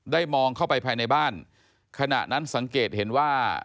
มองเข้าไปภายในบ้านขณะนั้นสังเกตเห็นว่า